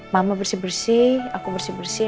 mama bersih bersih aku bersih bersih